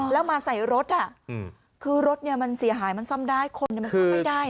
แล้วมาใส่รถคือรถมันเสียหายมันซ่อมได้คนมันซ่อมไม่ได้